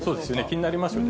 気になりますよね。